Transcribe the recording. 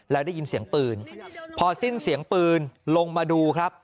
แล้วได้ยินเสียงปืนพอสิ้นเสียงปืนลงมาดูครับ